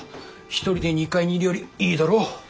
１人で２階にいるよりいいだろ。